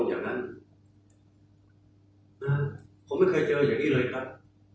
ประคุณครับภาพว่ายนไม่เคยเจอแห่งนี้เลยครับ